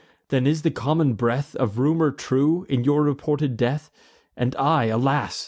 then is the common breath Of rumour true, in your reported death, And I, alas!